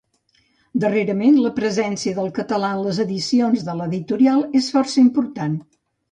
Darrerament, la presència del català en les edicions de l'Editorial és força important.